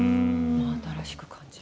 真新しく感じる。